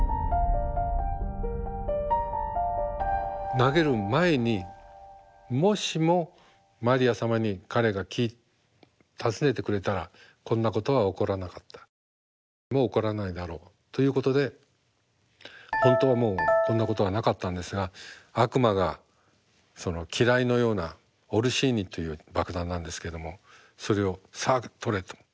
投げる前にもしもマリア様に彼が訪ねてくれたらこんなことは起こらなかった未来も起こらないだろうということで本当はもうこんなことはなかったんですが悪魔が機雷のようなオルシーニという爆弾なんですけどもそれを「さあ取れ」と。